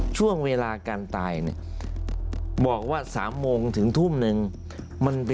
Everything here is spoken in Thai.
ช่วงเวลาการตายเนี่ยบอกว่า๓โมงถึงทุ่มนึงมันเป็น